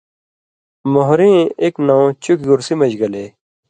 مہریں ایک نؤں چُکیۡ گورسی مژ گلے